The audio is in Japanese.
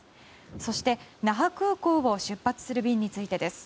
そして、那覇空港を出発する便についてです。